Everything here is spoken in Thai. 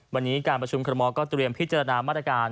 วันนี้การประชุมคอรมอลก็เตรียมพิจารณามาตรการ